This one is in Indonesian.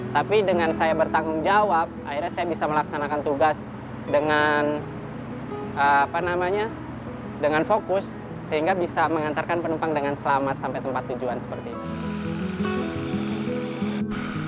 tapi dengan saya bertanggung jawab akhirnya saya bisa melaksanakan tugas dengan fokus sehingga bisa mengantarkan penumpang dengan selamat sampai tempat tujuan seperti ini